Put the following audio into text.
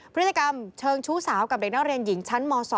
พฤติกรรมเชิงชู้สาวกับเด็กนักเรียนหญิงชั้นม๒